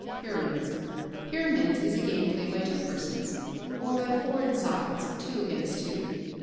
Pyramids. Pyramids is a game played by two persons, or by four in sides, two against two.